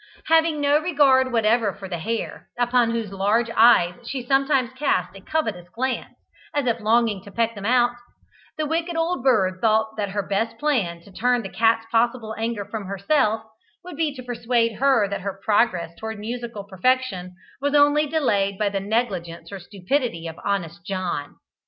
Having no regard whatever for the hare, upon whose large eyes she sometimes cast a covetous glance as if longing to peck them out, the wicked old bird thought that her best plan to turn the cat's possible anger from herself, would be to persuade her that her progress towards musical perfection was only delayed by the negligence or stupidity of "Honest John."